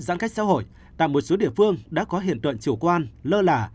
giãn cách xã hội tạm một số địa phương đã có hiện tượng chủ quan lơ lả